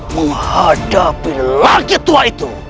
menghadapi laki tua itu